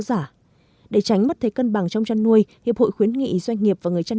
giả để tránh mất thế cân bằng trong chăn nuôi hiệp hội khuyến nghị doanh nghiệp và người chăn